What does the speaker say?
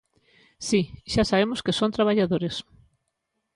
Si, xa sabemos que son traballadores.